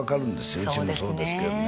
うちもそうですけどね